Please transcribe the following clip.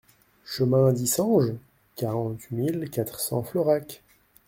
Chemin d'Yssenges, quarante-huit mille quatre cents Florac